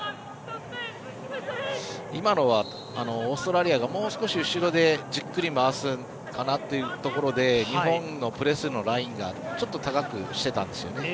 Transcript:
今のは、オーストラリアがもう少し後ろでじっくり回すかなというところで日本のプレーするラインがちょっと高くしてたんですよね。